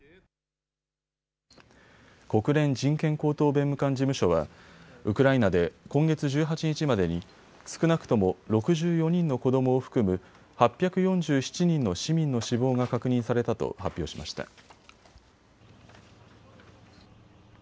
国連人権高等弁務官事務所はウクライナで今月１８日までに少なくとも６４人の子どもを含む８４７人の市民の死亡が確認されたと発表しました。